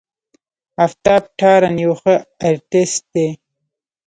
آفتاب تارڼ يو ښه آرټسټ دی.